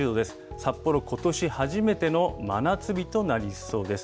札幌、ことし初めての真夏日となりそうです。